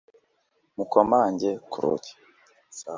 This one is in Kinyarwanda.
Mukomange ku rugi